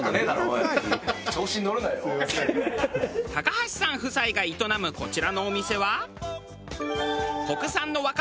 橋さん夫妻が営むこちらのお店は。